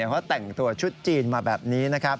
เค้าแต่งตัวชุดจีนมาแบบนี้